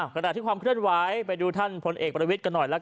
ขณะที่ความเคลื่อนไหวไปดูท่านพลเอกประวิทย์กันหน่อยละกัน